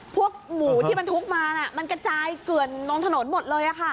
พวกหมูที่บรรทุกมามันกระจายเกลื่อนลงถนนหมดเลย